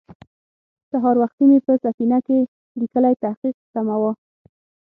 سهار وختې مې په سفينه کې ليکلی تحقيق سماوه.